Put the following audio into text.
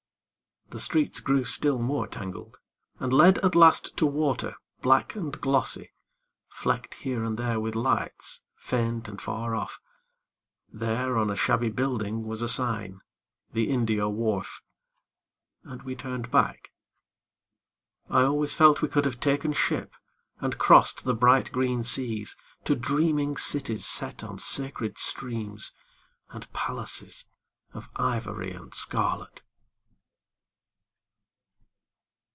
... The streets grew still more tangled, And led at last to water black and glossy, Flecked here and there with lights, faint and far off. There on a shabby building was a sign "The India Wharf "... and we turned back. I always felt we could have taken ship And crossed the bright green seas To dreaming cities set on sacred streams And palaces Of ivory and scarlet.